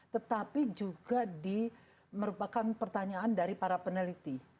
tetapi juga di merupakan pertanyaan dari para peneliti